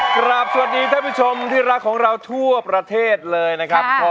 สวัสดีท่านผู้ชมที่รักของเราทั่วประเทศเลยนะครับ